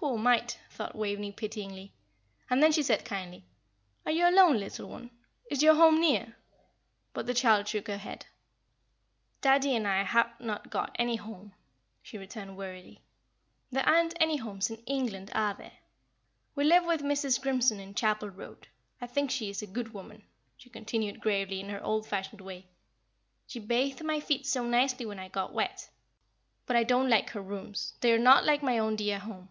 "Poor mite!" thought Waveney, pityingly; and then she said, kindly, "Are you alone, little one? Is your home near?" But the child shook her head. "Daddie and I have not got any home," she returned, wearily. "There aren't any homes in England, are there? We live with Mrs. Grimson in Chapel Road. I think she is a good woman," she continued, gravely, in her old fashioned way; "she bathed my feet so nicely when I got wet. But I don't like her rooms; they are not like my own dear home."